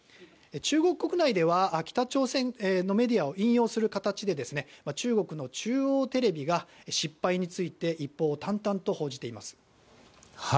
中国国内では北朝鮮のメディアを引用する形で中国の中央テレビが失敗について一報を淡々と報じています。